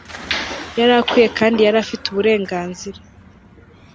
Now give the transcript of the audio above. yari akwiye kandi yari afite uburenganzira